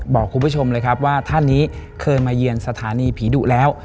บอกคุณผู้ชมเลยครับว่าท่านนี้เคยมาเยือนสถานีผีดุแล้ว